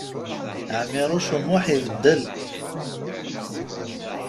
Ɛmiṛuc U Muḥ ibeddel.